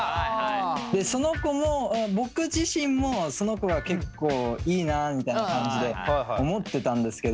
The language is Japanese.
その子も僕自身もその子が結構いいなみたいな感じで思ってたんですけど。